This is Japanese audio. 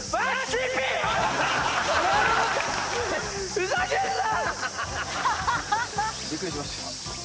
ふざけんな！